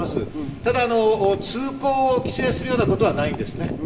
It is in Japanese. ただ通行を規制するようなことはないんですね。